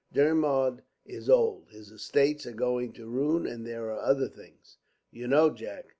"Dermod is old, his estates are going to ruin, and there are other things. You know, Jack?"